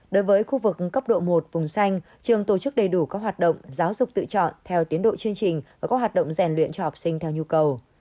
đối với khu vực cấp độ một vùng xanh trường tổ chức đầy đủ các hoạt động giáo dục tự chọn theo tiến độ chương trình và các hoạt động rèn luyện cho học sinh theo nhu cầu